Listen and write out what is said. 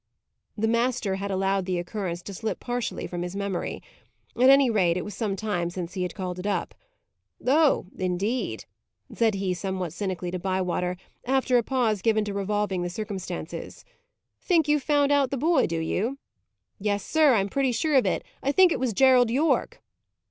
The master had allowed the occurrence to slip partially from his memory. At any rate, it was some time since he had called it up. "Oh, indeed!" said he somewhat cynically, to Bywater, after a pause given to revolving the circumstances. "Think you have found out the boy, do you?" "Yes, sir; I am pretty sure of it. I think it was Gerald Yorke."